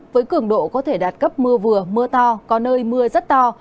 với cường độ có thể đạt cấp mưa vừa mưa to có nơi mưa rất to